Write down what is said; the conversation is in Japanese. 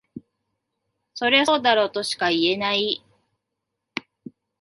そりゃそうだろとしか言えない